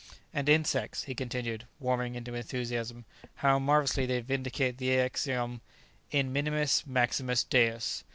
And insects," he continued, warming into enthusiasm, "how marvellously they vindicate the axiom 'In minimis maximus Deus!'